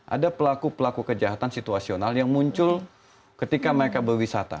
ada pelaku pelaku kejahatan situasional yang muncul ketika mereka berwisata